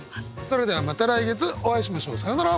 それではまた来月お会いしましょう。さようなら！